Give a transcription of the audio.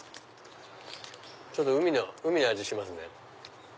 ちょっと海の味しますね。